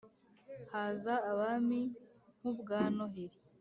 Haza abami nk'ubwa Noheli